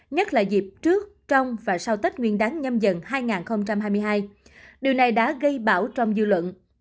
nhất là dịp trước trong và sau tết nguyên đáng nhâm dần hai nghìn hai mươi hai điều này đã gây bảo trong dư luận